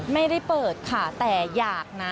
ไม่ได้เปิดค่ะแต่อยากนะ